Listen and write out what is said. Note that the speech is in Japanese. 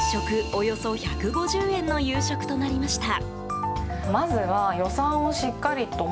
およそ１５０円の夕食となりました。